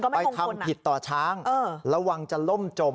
ไปทำผิดต่อช้างระวังจะล่มจม